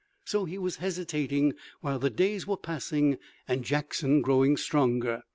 So he was hesitating while the days were passing and Jackson growing stronger.